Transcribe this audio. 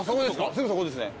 すぐそこですね